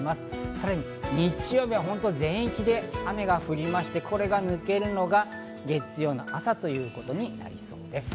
さらに日曜日は全域で雨が降りまして、これが抜けるのが月曜の朝ということになりそうです。